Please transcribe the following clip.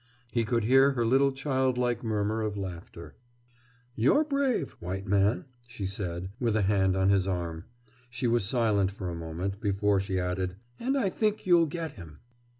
He could hear her little childlike murmur of laughter. "You're brave, white man," she said, with a hand on his arm. She was silent for a moment, before she added: "And I think you'll get him."